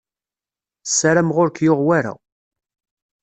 Ssarameɣ ur k-yuɣ wara.